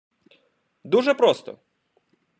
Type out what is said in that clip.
Дуже просто!